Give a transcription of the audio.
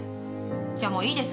じゃあもういいです。